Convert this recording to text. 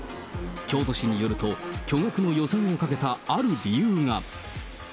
京都市によると、巨額の予算をかけたある理由が。